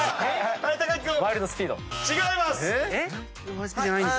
違います。